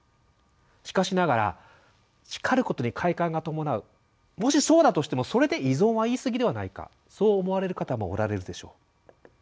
しかしながら叱ることに快感が伴うもしそうだとしてもそれで「依存」は言い過ぎではないかそう思われる方もおられるでしょう。